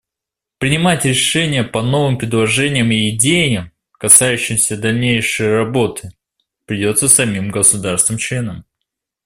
Принимать решения по новым предложениям и идеям, касающимся дальнейшей работы, придется самим государствам-членам.